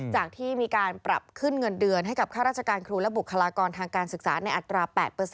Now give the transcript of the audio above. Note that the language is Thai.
ที่มีการปรับขึ้นเงินเดือนให้กับข้าราชการครูและบุคลากรทางการศึกษาในอัตรา๘